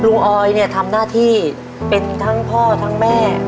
ออยเนี่ยทำหน้าที่เป็นทั้งพ่อทั้งแม่